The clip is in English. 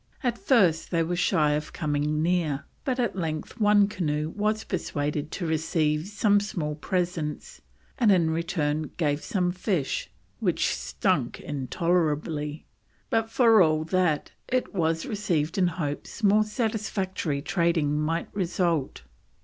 At first they were shy of coming near, but at length one canoe was persuaded to receive some small presents, and in return gave some fish which "stunk intolerably," but for all that it was received in hopes more satisfactory trading might result.